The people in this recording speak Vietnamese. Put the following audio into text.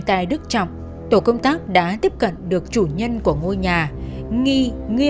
hãy đăng ký kênh để ủng hộ kênh của mình nhé